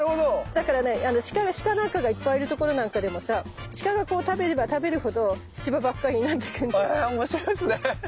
だからねシカなんかがいっぱいいる所なんかでもさシカがこう食べれば食べるほどシバばっかになってくんだよ。へおもしろいですね。